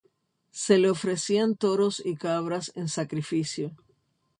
Se le ofrecían toros y cabras en sacrificio.